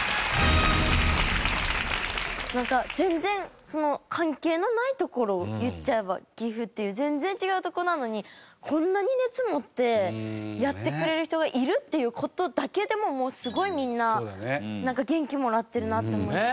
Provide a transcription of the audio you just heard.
なんか全然関係のない所を言っちゃえば岐阜っていう全然違うとこなのにこんなに熱持ってやってくれる人がいるっていう事だけでもすごいみんな元気もらってるなって思うし。